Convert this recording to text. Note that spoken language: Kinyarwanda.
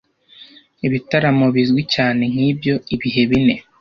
Ibitaramo bizwi cyane nkibyo ibihe bine